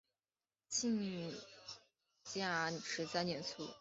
嘉庆十三年卒。